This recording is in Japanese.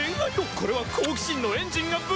これは好奇心のエンジンがブ。